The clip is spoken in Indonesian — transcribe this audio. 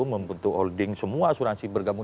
membentuk holding semua asuransi bergabung